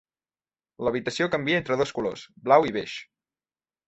L'habitació canvia entre dos colors, blau i beix.